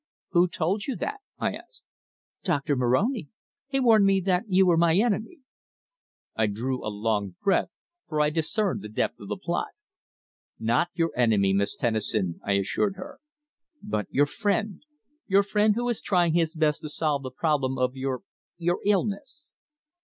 "Who told you that?" I asked. "Doctor Moroni. He warned me that you were my enemy." I drew a long breath, for I discerned the depth of the plot. "Not your enemy, Miss Tennison," I assured her. "But your friend your friend who is trying his best to solve the problem of your your illness."